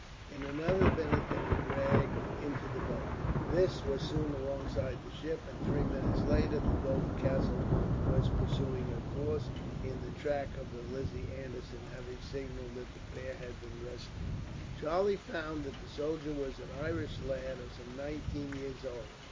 In another minute they were dragged into the boat. This was soon alongside the ship, and three minutes later the Dover Castle was pursuing her course, in the track of the Lizzie Anderson, having signalled that the pair had been rescued. Charlie found that the soldier was an Irish lad, of some nineteen years old.